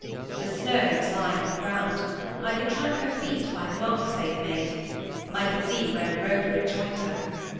The snow was lying on the ground; I could track her feet by the marks they had made; I could see where Rover had joined her.